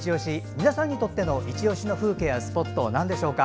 皆さんにとってのいちオシの風景やスポットはなんでしょうか？